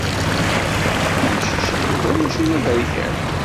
Amcic n Yuba mačči d aberkan.